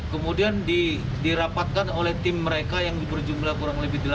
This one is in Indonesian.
kemudian dirapatkan oleh tim mereka yang berjumlah kurang lebih delapan ratus